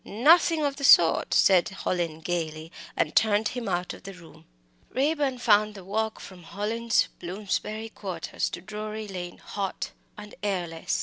"Nothing of the sort," said Hallin, gaily, and turned him out of the room. Raeburn found the walk from Hallin's Bloomsbury quarters to Drury Lane hot and airless.